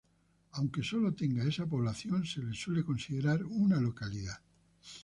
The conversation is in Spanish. Aunque solo tenga esa población se le suele considerar una localidad.